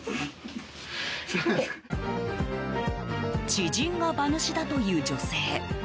知人が馬主だという女性。